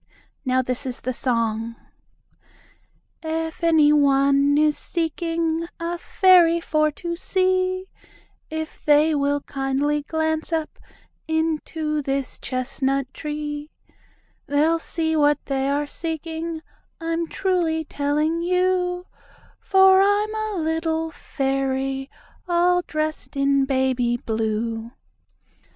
Now this is the song: "If any one is seeking A fairy for to see, If they will kindly glance up Into this chestnut tree They'll see what they are seeking, I'm truly telling you, For I'm a little fairy All dressed in baby blue."